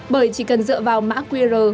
bởi chỉ cần dựa vào mã qr